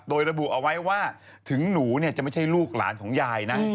โดยระบุเอาไว้ว่าถึงหนูจะไม่ใช่ลูกหลานของยายนะ